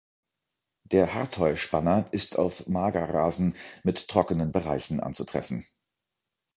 Der Hartheu-Spanner ist auf Magerrasen mit trockenen Bereichen anzutreffen.